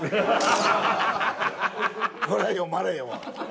これは読まれへんわ。